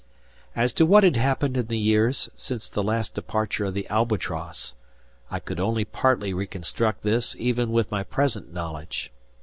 As to what had happened in the years since the last departure of the "Albatross," I could only partly reconstruct this even with my present knowledge.